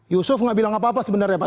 yusuf nggak bilang apa apa sebenarnya pak